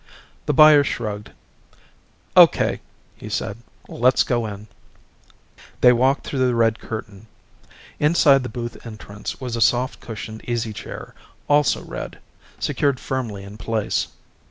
The buyer shrugged. "O.K.," he said. "Let's go in." They walked through the red curtain. Inside the booth entrance was a soft cushioned easy chair, also red, secured firmly in place.